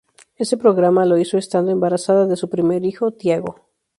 Ese programa lo hizo estando embarazada de su primer hijo "Tiago".